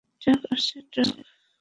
Truck আসছে, truck.